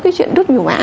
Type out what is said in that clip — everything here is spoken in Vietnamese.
cái chuyện đốt nhiều mã